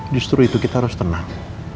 justru itu kita harus tenang